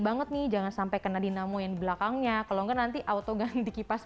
banget nih jangan sampai kena dinamo yang di belakangnya kalau enggak nanti auto ganti kipas